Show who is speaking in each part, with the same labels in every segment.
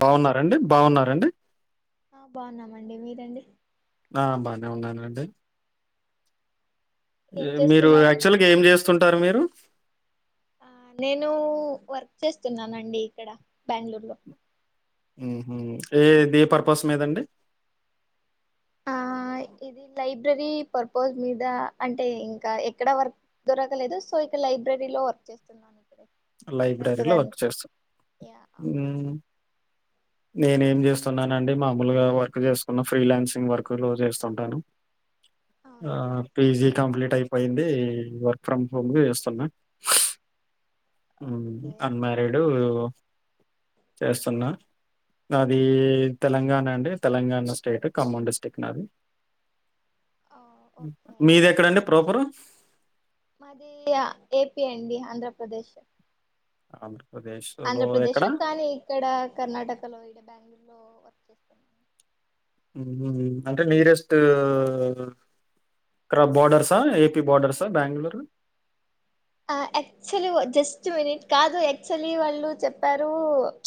Speaker 1: బావున్నారండి బావున్నారండి
Speaker 2: ఆ బాగున్నామండి మీరండి
Speaker 1: నే ఉన్ననండి
Speaker 2: ఏం
Speaker 1: ఎ మీరు
Speaker 2: చేస్తున్నారు
Speaker 1: యాక్చువల్గా ఏం చేస్తుంటారు మీరు
Speaker 2: ఆ నేను వర్క్ చేస్తున్నానండి ఇక్కడ బెంగళూరులో
Speaker 1: ఊహు ఏద్ ఏ పర్పస్ మీదండి
Speaker 2: ఆ ఇది లైబ్రరీ పర్పోజ్ మీద అంటే ఇంక ఎక్కడ వర్క్ దొరకలేదు సో ఇక్కడ లై లైబ్రరీ లో వర్క్ చేస్తున్నాను. ఇక్కడ
Speaker 1: లైబ్రరీలో వర్క్
Speaker 2: ప్రస్తుతానికి
Speaker 1: చేస్తావ్
Speaker 2: యా అవునండి
Speaker 1: ఊ నేనేం చేస్తున్నానండి మామూలుగా వర్క్ చేసుకున్న ఫ్రీలాన్సింగ్ వర్క్ లో చేస్తుంటాను. ఆ
Speaker 2: అవునా అండి
Speaker 1: పిజి కంప్లీ టైప్పోయింది వర్క్ ఫ్రమ్ హోమ్ గా ఏస్తున్నా మ్మ్
Speaker 2: ఓకే
Speaker 1: అన్మరేడు చేస్తున్నా నాది తెలంగాణ అండి తెలంగాణ స్టేట్ ఖమ్మం డిస్ట్రిక్ట్ నాది
Speaker 2: ఆ, ఓకే అండి
Speaker 1: మీదెక్కండి ప్రొపరు?
Speaker 2: మాది ఆ ఏపి అండి ఆంధ్రప్రదేశ్
Speaker 1: అవున
Speaker 2: ఆంధ్రప్రదేశ్ కానీ ఇక్కడ కర్ణాటకలో ఇడ బెంగళూరు. లో వర్క్ చేస్తన్నాన్
Speaker 1: మ్ అంటే నీరెస్ట్ ఇక్కడ బార్డర్సా ఏపి బార్డర్సా బెంగళూరు
Speaker 2: ఆ యాక్చులీగు జస్ట్ వినిట్ కాదు యాక్చులీ వాళ్ళు చెప్పారు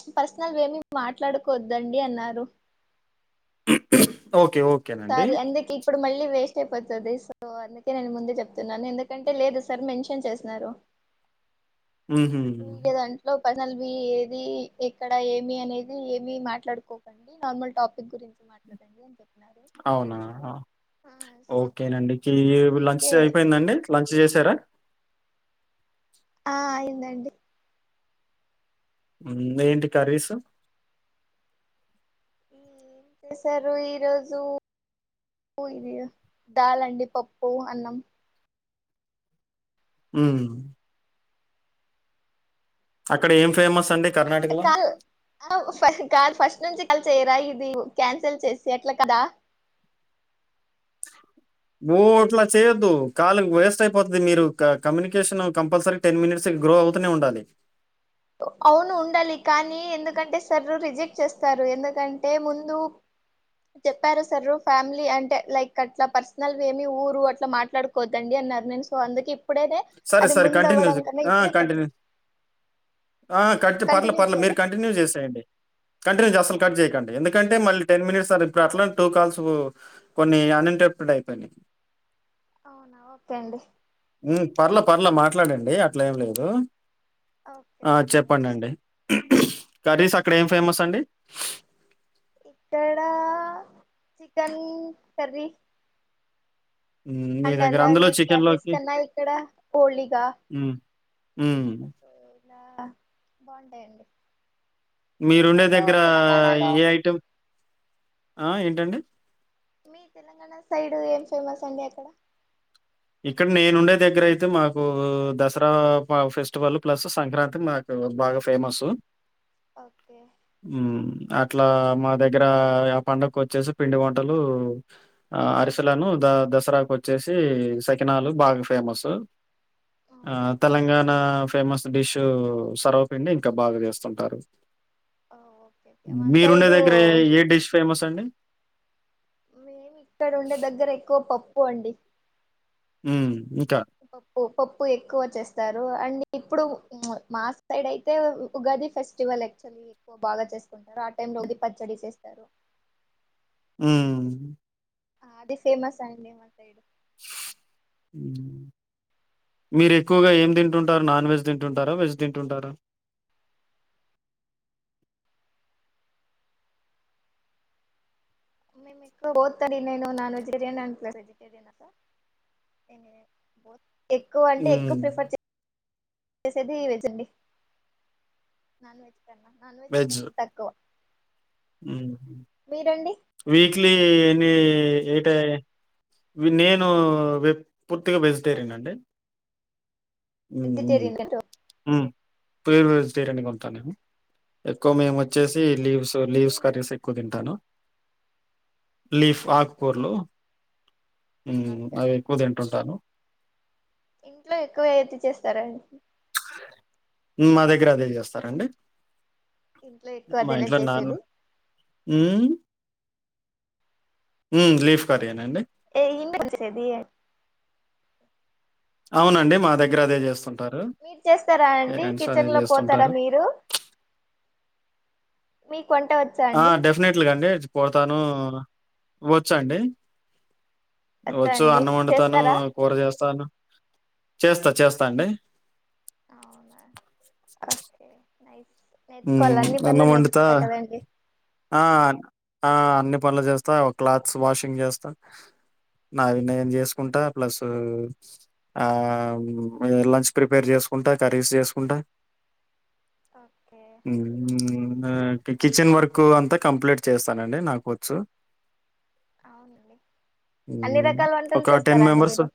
Speaker 2: చ్ పర్సనల్ వేమి మాట్లాడుకోద్దండి అన్నారు.
Speaker 1: ఓకే. ఓకేనండి.
Speaker 2: సరీ ఏందుక ఇప్పుడు మళ్ళీ వేస్ట్ చెప్పోత్తదిస్ సో అందకే నేను ముందే జేప్తున్నాను ఎందుకంటే లేదు సర్ మెన్షన్ చేసినారు.
Speaker 1: మ్మ్హు
Speaker 2: పర్సనల్వీ ఏది, ఎక్కడ ఏమి అనేది ఏమి మాట్లాడుకోకండి. నార్మల్ టాపిక్ గురించి మాట్లాడడానిగేమ్లేవ్
Speaker 1: అవునా అ
Speaker 2: సో
Speaker 1: ఓకేనండి ఏవ్ లంచ్
Speaker 2: అందుకే
Speaker 1: అయిపోయిందండి లంచ్ చేసారా?
Speaker 2: అండి
Speaker 1: ముందే ఏంటి కర్రీసు?
Speaker 2: మ్మ్ చేసారు ఈ రోజు? ప్పు ఇది దాలండి పప్పు, అన్నం
Speaker 1: మ్మ్హ్ అక్కడ ఏం ఫేమస్ అండి
Speaker 2: ఆ
Speaker 1: కర్ణాటకలో?
Speaker 2: కల్ ఆహా ఫైన్ కాద్ ఫస్ట్ నుంచి కల్ చేయరా ఇదివు క్యాన్సల్ చేసి ఏట్లా కదా
Speaker 1: ఓ అట్లా చేయొద్దు కాల్ వేస్ట్ అయిపోద్ది. మీరు క కమునికేషను కంపల్సరీ టెన్ మినిట్స్ గా గ్రో అవుతనే ఉండాలి.
Speaker 2: అవును ఉండాలి కానీ ఎందుకంటే సర్ రిజెక్ట్ చేస్తారు. ఎందుకంటే ముందు చెప్పారు సరు ఫ్యామిలీ అంటే లైక్ అట్లా పర్సనల్వి ఏమి ఊరు అట్లా మాట్లాడుకోద్దండ అన్ నర్ నేన్ సో అందుకిప్పుడేనే
Speaker 1: సరే,
Speaker 2: అది
Speaker 1: సరే. కంటిన్యూ
Speaker 2: ముందవ్వడం
Speaker 1: జే
Speaker 2: కన్నె
Speaker 1: ఆ!
Speaker 2: ఇప్పుడే కట్చె
Speaker 1: కంటిన్యూ ఆ కట్ పర్లే పర్లే మీరు కంటిన్యూ జేసేయండి. కంటిన్యూ జ అసల్ కట్
Speaker 2: అవునా
Speaker 1: జేయికండి. ఎందుకంటే టె మళ్ళీ టెన్ మినిట్స్ స ఇప్పుడు అట్లా టూ కాల్స్ కొన్ని అన్ఎంటెప్టెడ్ అయిపోనై
Speaker 2: అవునా ఓకే అండి
Speaker 1: మ్మ్ పర్లే పర్లే మాట్లాడండి అట్లెం లేదు.
Speaker 2: ఓకే
Speaker 1: ఆ
Speaker 2: ఓకే అండి
Speaker 1: చేపండండి కర్రీస్ అక్కడ ఏం ఫేమస్ అండి?
Speaker 2: ఇక్కడ చికెన్ కర్రీ
Speaker 1: మ్మ్ మీ
Speaker 2: అండ్
Speaker 1: దగ్గర అందులో
Speaker 2: అలాగే
Speaker 1: చికెన్
Speaker 2: కర్రీస్
Speaker 1: లోకి
Speaker 2: కన్నా ఇక్కడ ఓలిగా
Speaker 1: మ్మ్ మ్మ్
Speaker 2: సో ఇలా బావుంటాయి అండి
Speaker 1: మీరుండే దగ్గర ఏ ఐటమ్ ఆ ఏంటండి?
Speaker 2: మీ తెలంగాణ సైడు ఏం ఫేమస్ అండి అక్కడ?
Speaker 1: ఇక్కడ్ నేనుండే దెగ్గర అయితే మాకూ దసరా ప ఫెస్టివల్ ప్లస్ సంక్రాంతి మాకు బాగా ఫేమసు
Speaker 2: ఓకే
Speaker 1: అట్లా మా దగ్గర ఆ పండగకోచ్చేసి పిండి వంటలు ఆ అరిసెలను అ దసరాకోచ్చేసి సకినాలు బాగ ఫేమసు
Speaker 2: అవునండి
Speaker 1: తెలంగాణా ఫేమస్ డిష్ సర్వపిండి ఇంకా బాగా చేస్తుంటారు.
Speaker 2: ఓ ఓకే ఓకే మా
Speaker 1: మీరుండే
Speaker 2: సైడు
Speaker 1: దగ్గరే ఏ డిష్ ఫేమస్ అండి?
Speaker 2: మేమిక్కడ ఉండే దగ్గర ఎక్కువ పప్పు అండి.
Speaker 1: హ్మ్. ఇంకా
Speaker 2: పప్పు పప్పు ఎక్కువ చేస్తారు. అండ్ ఇప్పుడు మ్మ్ఆ మా సైడ్ అయితే ఉగాది ఫెస్టివల్ యాక్చువల్లీ ఎక్కువ బాగా చేసుకుంటారు. ఆ టైమ్ లో ఉదిపచ్చ వేసేస్తారు
Speaker 1: ఉమ్
Speaker 2: ఆది ఫేమస్ అండి మా సైడు
Speaker 1: ఉమ్ మీరు ఎక్కువగా ఏం తింటుంటారు నాన్ వెజ్ తింటుంటారా వెజ్ తింటుంటారా
Speaker 2: మేం ఎక్కువ బొత్ అని నేను non vegetarian and plus vegetarian అసా ఎక్కువ అంటే ఎక్కువ
Speaker 1: హ్మ్.
Speaker 2: ప్రిఫర్ చే చేసేది వెజ్ అండి నాన్ వెజ్ నాన్ వెెజ్ కొంచెం తక్కువ
Speaker 1: ఉమ్
Speaker 2: మీరండి
Speaker 1: వీక్లీ ఎన్ని ఏట నేను వే పూర్తిగా వెజిటేరియన్ అండి హుమ్ మ్
Speaker 2: వెజిటేరియన్
Speaker 1: ఉమ్ ప్యూర్ వెజిటేరియన్ గా ఉంటానేను ఎక్కువ మేము వచ్చే సి లీవ్స్ లీవ్స్ కర్రీస్ ఎక్కువ తింటాను లీఫ్
Speaker 2: ఓకే
Speaker 1: ఆకుకూర్లు మ్
Speaker 2: ఓకే
Speaker 1: అవి ఎక్కువ తింటుంటాను
Speaker 2: ఇంట్లో ఎక్కువ ఏతి చేస్తారండి
Speaker 1: మా దగ్గర అదే చేస్తారండి
Speaker 2: ఇంట్లో ఎక్కువ
Speaker 1: మా
Speaker 2: అదేనా
Speaker 1: ఇంట్లో నాన్న
Speaker 2: చేసేది
Speaker 1: ఉమ్ ఉమ్ లీఫ్ కరీ ఏ నండి
Speaker 2: ఏ [inaudible]
Speaker 1: అవునండి మా దగ్గర అదే చేస్తుంట
Speaker 2: మీరు చేస్తారా అండి కిచెన్ లో పోతారా
Speaker 1: జేస్తుంటారు.
Speaker 2: మీరు మీ
Speaker 1: ఆ డెఫినెట్లుగాండి పోతాను వచ్చు అండి
Speaker 2: వచ్చా
Speaker 1: వచ్చు
Speaker 2: అండి
Speaker 1: అన్నం వండుతాను
Speaker 2: చేస్తారా
Speaker 1: కూర చేస్తాను చేస్తా చేస్తా అండి
Speaker 2: అవునా ఒకే నైస్ నేర్చుకోవాలి
Speaker 1: ఉమ్
Speaker 2: అన్ని పనులు
Speaker 1: అన్నం వండుతా
Speaker 2: నేర్చుకోవాల కదండి
Speaker 1: ఆ ఆ అన్ని పనులు చేస్తా క్లాత్స్ వాషింగ్ చేస్తా నావి నేన్ చేసుకుంటా ప్లస్ ఆ లంచ్ ప్రిపేర్ చేసుకుంటా కర్రీస్ చేసుకుంటా
Speaker 2: ఓకే
Speaker 1: ఆ కిచెన్ వర్క్ అంతా కంప్లీట్ చేస్తానండి నాకు వచ్చు
Speaker 2: అవునండి అన్ని
Speaker 1: ఉమ్
Speaker 2: రకాల వంటలు
Speaker 1: ఒక టెన్
Speaker 2: చేస్తారా అండి
Speaker 1: మెంబర్స్
Speaker 2: మీరు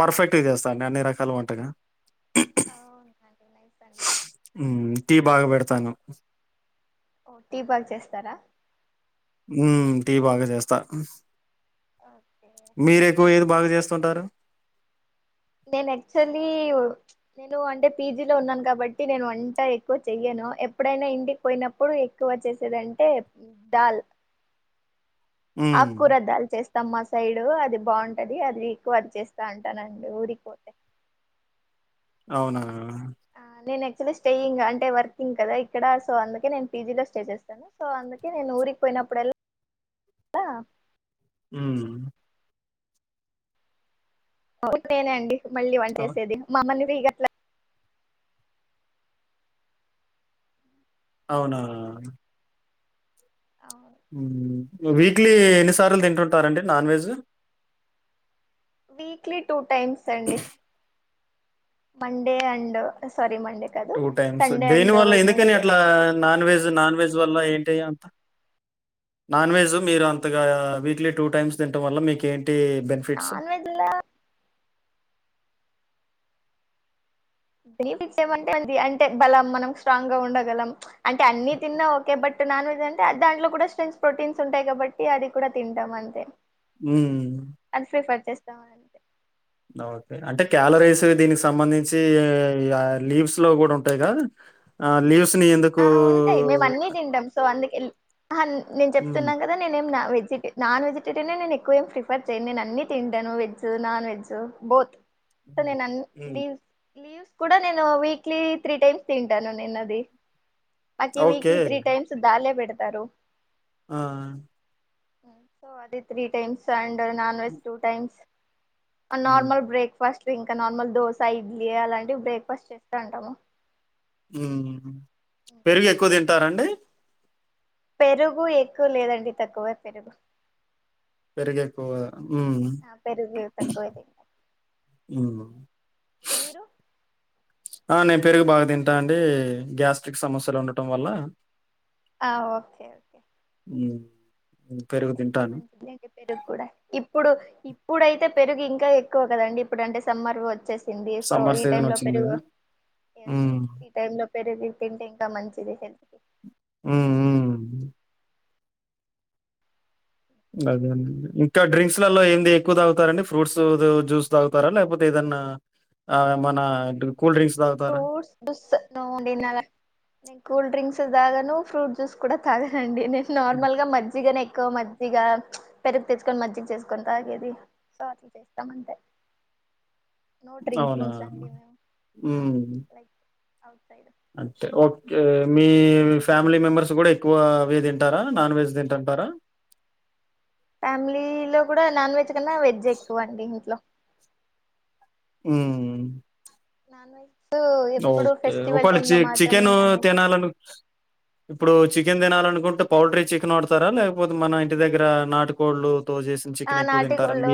Speaker 1: పర్ఫెక్ట్ గా చేస్తా అండి అన్ని రకాల వంటకా
Speaker 2: అవునా
Speaker 1: ఉమ్ టీ బాగా పెడతాను
Speaker 2: ఓ టీ బాగ్ చేస్తారా
Speaker 1: ఉమ్ టీ బాగా చేస్తా
Speaker 2: ఓకే
Speaker 1: మీరెక్కువ ఏది బాగా చేస్తుంటారు
Speaker 2: నేను యాక్చువల్లి నేను అంటే పీజీ లో ఉన్నాను కాబట్టి నేను వంట ఎక్కువ చెయ్యను ఎప్పుడైనా ఇంటికి పోయినప్పుడు ఎక్కువ చేసేదంటే దాల్
Speaker 1: హ్మ్.
Speaker 2: ఆక్కుర దల్ చేస్త్ తమ్మ మా సైడ్ అది బావుంటాది అది ఎక్కువ అది చేస్తా అంటా అండి ఊరికిపోతే
Speaker 1: అవునా
Speaker 2: నేన్ యాక్చులీ స్టేయింగ్ అంటే వర్కింగ్ కదా ఇక్కడ సో అందుకే నేను పీజీలో స్టే చేస్తాను సో అందుకే నేను ఊరిక్ పోయినప్పుడేళ్ల ఆ
Speaker 1: ఊమ్
Speaker 2: నేనే అండి మళ్ళీ
Speaker 1: అవ్
Speaker 2: వంటేసేది మమ్మల్ని రి గట్లా
Speaker 1: అవునా ఉమ్ వీక్లీ ఎన్ని సార్లు తింటుంటారండి non veg
Speaker 2: weekly two times అండి మండే అండ్ సారీ మం
Speaker 1: టూ టైమ్స్ దేని వల్ల ఎందుకని అట్లా నాన్ వెెజ్ నాన్ వెజ్ వల్ల ఏం టి అంత నాన్ వెజ్ మీరు అంతగా వీక్లీ టూ టైమ్స్ తింటాం వల్ల మీకే టి బెన్ఫిట్సు
Speaker 2: నాన్ వెజ్ లా బెనిఫిట్స్ ఏమంటే మన్ అంటే బలం మనం స్ట్రాంగ్ గా ఉండగలం అంటే అన్ని తిన్నా ఓకే బట్ అంటే నాన్ వెజ్ అంటే దాంట్లో కూడా స్త్రీంగ్స్ ప్రోటీన్స్ ఉంటాయి కాబట్టి అది కూడా తింటాం అంతే
Speaker 1: హ్మ్.
Speaker 2: అది ఫ్రిఫర్ చేస్తాం అంతే
Speaker 1: ఓకే అంటే క్యాలరీస్ దీనికి సంబంధించి యా లీవ్స్ లో గూడ్ ఉంటాయి గా లీవ్స్
Speaker 2: ఆ ఉంటాయి మేమ్ అన్నీ తింటాం సో అందుకే ల్ ఆహా నేన్
Speaker 1: హ్మ్.
Speaker 2: చెప్తున్నా కదా నేనేం అవ్రేజ్ చెప్పి నాన్ వెజిటేరియన్ నేన్ ఎక్కువేం ఫ్రిఫర్ చేయ్యను నేన్ అన్ని తింటను veg non veg both so నేనన్
Speaker 1: హ్మ్.
Speaker 2: లీవ్స్ లీవ్స్ కూడా నేను వీక్లీ త్రీ టైమ్స్ తింటాను నేన్ అది అక్కి
Speaker 1: ఓకే.
Speaker 2: వీక్లీ త్రీ టైమ్స్ దాల్లే పెడ్తారు
Speaker 1: ఆ
Speaker 2: సో అది three times and non veg two times
Speaker 1: హ్మ్.
Speaker 2: అనార్మల్ బ్రేక్ఫాస్ట్ ఇంకా నార్మల్ దోస ఇడ్లీ అలాంటివి బ్రేక్ఫాస్ట్ చేస్తా ఉంటాము
Speaker 1: ఉమ్ పెరుగు ఎక్కువ తింటారా అండి
Speaker 2: పెరుగు ఎక్కువ్ లేదండి తక్కువే పెరుగు
Speaker 1: పెరుగు ఎక్కువ
Speaker 2: ఆ పెరుగు తక్కువే తింటాం
Speaker 1: హ్మ్.
Speaker 2: మీరు
Speaker 1: ఆ నేన్ పేరుగ్ బాగ్ తింటా అండి గ్యాస్ట్రిక్ సమస్యలు ఉండటం వల్ల
Speaker 2: ఆ ఓకే ఓకే
Speaker 1: ఉమ్
Speaker 2: హెల్త్క్ మంచిదిలేండి పెరుగు కూడా ఇప్ ప్పుడు ఇప్పుడైతే పెరుగు ఇంకా ఎక్కువ కదండి ఇప్పుడు అంటే సమ్మర్ వచ్చేస్ సింది సో
Speaker 1: సమ్మర్
Speaker 2: ఈ టైం
Speaker 1: సీజన్
Speaker 2: లో
Speaker 1: వచ్చింది
Speaker 2: పెరుగు
Speaker 1: గదా!
Speaker 2: ఎస్
Speaker 1: హ్మ్.
Speaker 2: ఎస్ ఈ టైంలో పెరుగు తింటే ఇంకా మంచి ది హెల్త్క్
Speaker 1: ఉమ్ ఉమ్ అదే అండి ఇంకా డ్రింక్స్ లలో ఏంది ఎక్కువ్ తాగ్తారండి ఫ్రూట్స్ ద్ జ్యూస్ తాగుతారా లేకపోతే ఏదనా నా ఆ మన డ్రు
Speaker 2: ఫ్రూట్స్ జ్యూస్ నోఅండి నా ద నేన్ కూల్ డ్రింక్స్ తాగాను ఫ్రూట్ జ్యూస్ కూడా తాగానండి నేన్
Speaker 1: హ్మ్.
Speaker 2: నార్మల్గా మజ్జిగనే ఎ ఎక్కో మజ్జిగా పెరుగ్ తెచ్కోన్ మజ్జిగ్ చేస్కోన్ తాగేది సో అట్లా చేస్తామంతే నో డ్రింకింగ్స్ అండి మేమ్
Speaker 1: మ్మ్
Speaker 2: అవుతయ్
Speaker 1: అంతె ఓకే మీ ఫ్యామిలీ మెంబెర్స్ గూడా ఎక్కువ అవే తింటారా నాన్ వెేజ్ తింటా టరా
Speaker 2: ఫ్యామిలీ లో కూడా నాన్ వెజ్ కన్నా వెజ్ ఎక్కువ అండి ఇంట్లో
Speaker 1: ఉమ్
Speaker 2: నాన్ వెజ్ ఎప్పుడు
Speaker 1: ఓకే
Speaker 2: ఫెస్టివల్
Speaker 1: ఒకవేళ
Speaker 2: టైమ్
Speaker 1: చి
Speaker 2: లో మాత్రమే
Speaker 1: చికెన్
Speaker 2: నాన్ వెజ్
Speaker 1: తినాలను ఇప్పుడు చి చికెన్ తినాలనుకుంటే పౌల్ట్రీ చికెన్ వాడతారా లేకపోతే మన ఇంటి దగ్గర నాటుకోళ్లు
Speaker 2: ఆ నాటికోళ్ళు,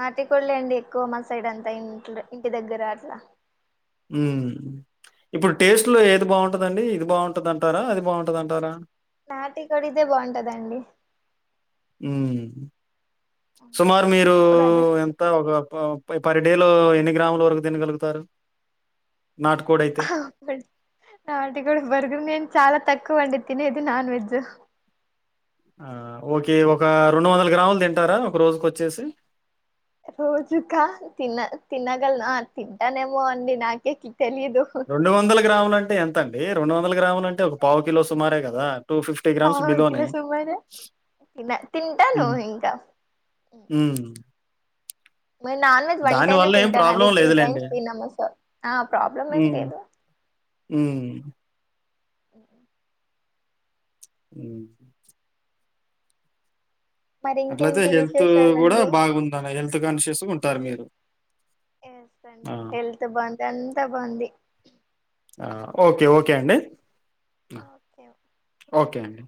Speaker 2: నాటికోళ్ళే అండి ఎక్కువ మా సైడ్ అం త ఇంట్ల్ ఇంటి దగ్గర అట్ల
Speaker 1: మ్ ఇప్పుడ్ టేస్ట్లో ఏది బావున్ టదండి ఇది బాగుంటదంటారా అది బాగుంటదంటారా?
Speaker 2: నాటి కోడిదే బావుంటదండి.
Speaker 1: మ్ సుమారు మీరూ
Speaker 2: ఎప్పుడు అదే
Speaker 1: ఎంత ఒక పా పై పర్ డేలో ఎన్ని గ్రాములు వరకు తినగలుగుతారు. నాటుకోడైతే?
Speaker 2: ఆటిక్ కూడా బర్గర్ నేన్ చాలా తక్కువండి. తినేది నాన్ వెజ్.
Speaker 1: ఆ ఓకే ఒక రెండు వందల గ్రాములు తింటారా ఒక రోజుకోచ్చేసి.
Speaker 2: రోజుకా తిన తినగలన తింటానేమో అండి నాకే తెలియదు
Speaker 1: రొండు వందల గ్రాములంటే ఎంతండి రొండు వందల గ్రాములంటే ఒక పావుకిలో సుమారే గదా టూ ఫిఫ్టీ గ్రామ్స్
Speaker 2: పావు
Speaker 1: బిలోనే
Speaker 2: కిలో సుమారు తిన తింటాను
Speaker 1: మ్
Speaker 2: ఇంకా మేమ్ నాన్ వెజ్ వన్ టైమే
Speaker 1: ఏం
Speaker 2: తింటాన్ అది
Speaker 1: ప్రాబ్లం
Speaker 2: త్రీ
Speaker 1: లేదులేండి.
Speaker 2: టైమ్స్ తినము స ఆ ప్రాబ్లమ్ ఏం లేదు.
Speaker 1: మ్
Speaker 2: ఓఒ
Speaker 1: మ్
Speaker 2: మరి
Speaker 1: అట్లైతే
Speaker 2: ఇంకేంటి
Speaker 1: హెల్త్ గూడా
Speaker 2: విశేషాలండి
Speaker 1: బాగుండలె హెల్త్ కాన్షియస్ గుంటారు
Speaker 2: హెల్త్
Speaker 1: మీరు
Speaker 2: ఎస్
Speaker 1: ఆ!
Speaker 2: అండి హెల్త్ బావుంది అంతా బావుంది.
Speaker 1: ఆ! ఓకే ఓకే అండి. ఆ!
Speaker 2: ఓకే ఓ
Speaker 1: ఓకే అండి.